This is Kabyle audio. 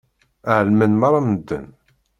Ɛelmen meṛṛa medden.